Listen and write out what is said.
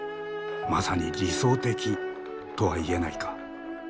「まさに理想的」とは言えないか？